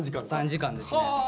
３時間ですね。